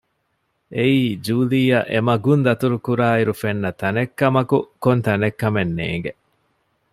އެއީ ޖޫލީއަށް އެމަގުން ދަތުރުކުރާ އިރު ފެންނަ ތަނެއްކަމަކު ކޮންތަނެއް ކަމެއް ނޭގެ